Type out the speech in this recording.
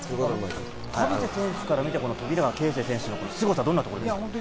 田臥選手から見て富永啓生選手のすごさ、どんなところですか？